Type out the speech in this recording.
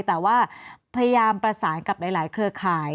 แต่ว่าพยายามประสานกับหลายเครือข่าย